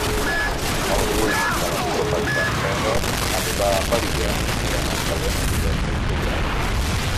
El gruix de les tropes franceses arribà a Pavia durant els següents dies d'octubre.